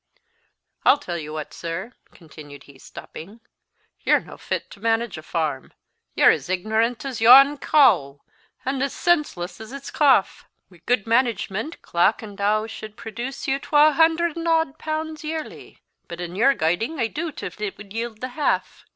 "I'll tell you what, sir," continued he, stopping; "you're no fit to manage a farm; you're as ignorant as yon coo, an' as senseless as its cauf. Wi' gude management, Clackandow should produce you twahunder and odd pounds yearly; but in your guiding I doot if it will yield the half.